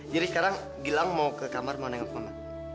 jadi sekarang gilang mau ke kamar mau nengok mama